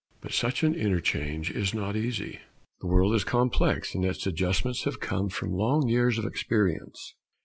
But such an interchange is not easy. The world is complex, and its adjustments have come from long years of experience.